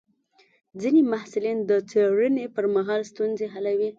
ځینې محصلین د څېړنې پر مهال ستونزې حلوي.